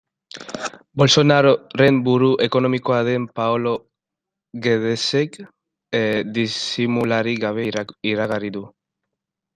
Bolsonaroren buru ekonomikoa den Paolo Guedesek disimulurik gabe iragarri du.